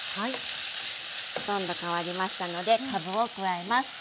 ほとんど変わりましたのでかぶを加えます。